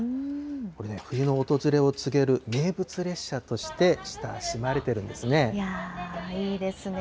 これね、冬の訪れを告げる名物列車として親しまれてるんですね。